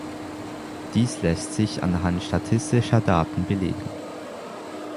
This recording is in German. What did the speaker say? Dies lässt sich anhand statistischer Daten belegen.